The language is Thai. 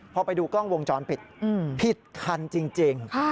พอไปดูกล้องวงจรปิดผิดคันจริง